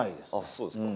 そうですか